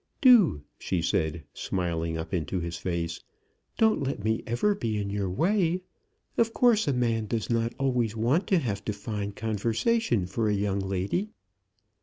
"Do," she said, smiling up into his face; "don't let me ever be in your way. Of course, a man does not always want to have to find conversation for a young lady."